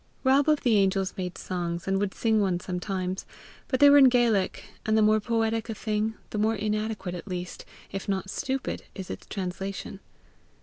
Rob of the Angels made songs, and would sing one sometimes; but they were in Gaelic, and the more poetic a thing, the more inadequate at least, if not stupid is its translation.